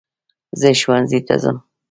زہ ښوونځي ته ځم